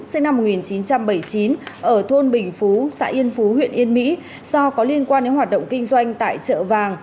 sinh năm một nghìn chín trăm bảy mươi chín ở thôn bình phú xã yên phú huyện yên mỹ do có liên quan đến hoạt động kinh doanh tại chợ vàng